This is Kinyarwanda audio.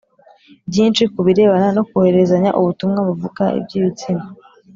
Byinshi ku birebana no kohererezanya ubutumwa buvuga iby ibitsina